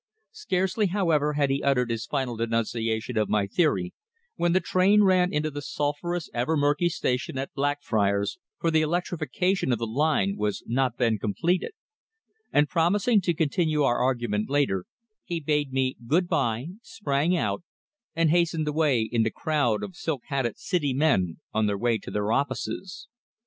Scarcely, however, had he uttered his final denunciation of my theory when the train ran into the sulphurous ever murky station of Blackfriars, for the electrification of the line was not then completed: and promising to continue our argument later, he bade me good bye, sprang out, and hastened away in the crowd of silk hatted City men on their way to their offices.